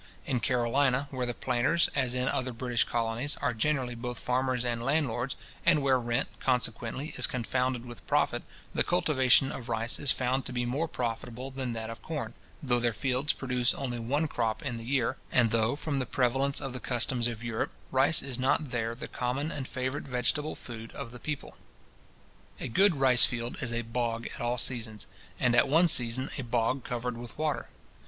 In Carolina, where the planters, as in other British colonies, are generally both farmers and landlords, and where rent, consequently, is confounded with profit, the cultivation of rice is found to be more profitable than that of corn, though their fields produce only one crop in the year, and though, from the prevalence of the customs of Europe, rice is not there the common and favourite vegetable food of the people. A good rice field is a bog at all seasons, and at one season a bog covered with water.